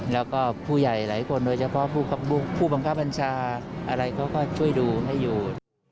แล้วก็ผู้ใหญ่หลายคนโดยเฉพาะผู้บังคับบัญชาอะไรเขาก็ช่วยดูให้อยู่